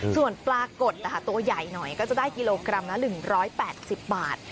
ส่วนปลากดนะคะตัวใหญ่หน่อยก็จะได้กิโลกรัมละรึงร้อยแปดสิบบาท